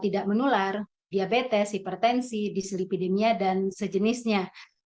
tidak menular diabetes hipertensi dislipidemia dan sejenisnya